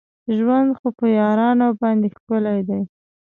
ژوند خو په یارانو باندې ښکلی دی.